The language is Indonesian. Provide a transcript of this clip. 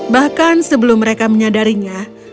bahkan sebelum mereka menyadarinya